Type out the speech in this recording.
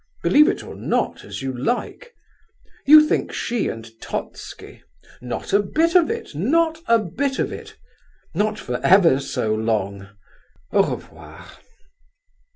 Believe it or not, as you like. You think she and Totski—not a bit of it, not a bit of it! Not for ever so long! _Au revoir!